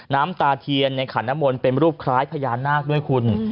น้ำตาเทียนในขันน้ำมนต์เป็นรูปคล้ายพญานาคด้วยคุณ